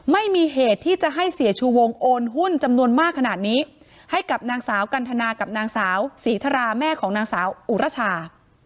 ไม่มีเหตุที่จะให้เสียชูวงโอนหุ้นจำนวนมากขนาดนี้ให้กับนางสาวกันทนากับนางสาวศรีธราแม่ของนางสาวอุรชา